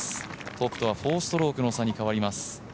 トップとは４ストロークの差になります。